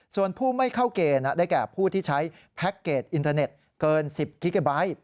ส่วนผู้ไม่เข้าเกณฑ์ได้แก่ผู้ที่ใช้แพ็คเกจอินเทอร์เน็ตเกิน๑๐กิเกไบท์